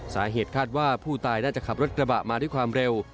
สาเหตุคาดว่าผู้ตายน่าจะขับรถกระบะมาด้วยความเร็ว